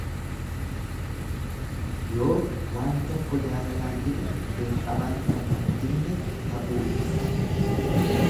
Yoo waan tokko jaalalaan dide, dirqamaan kan hin dinne ta'uu ibsa.